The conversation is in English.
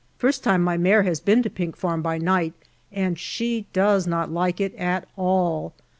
First time my mare has been to Pink Farm by night, and she does not like it at all.